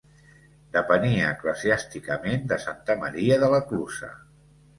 Depenia eclesiàsticament de Santa Maria de la Clusa.